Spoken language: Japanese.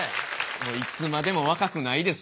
もういつまでも若くないですよ。